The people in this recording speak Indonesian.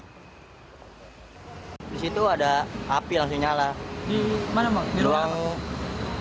di situ ada api langsung nyala